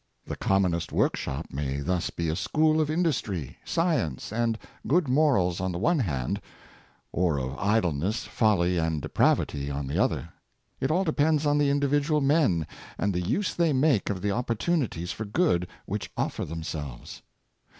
The commonest workshop may thus be a school of industry, science, and good morals, on the one hand; or of idleness, folly, and depravity, on the other. It all depends on the individual men, and the use they make of the opportunities for good which offer them selves.